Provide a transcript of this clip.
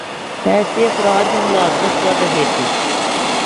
ایسے افراد جو ملازمت کررہے تھے